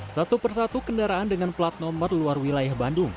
satu persatu kendaraan dengan plat nomor luar wilayah bandung